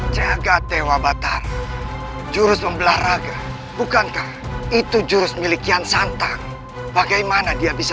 jaga tewa batar jurus membelah raga bukankah itu jurus milikian santan bagaimana dia bisa